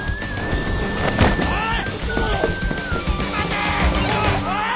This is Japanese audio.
おい！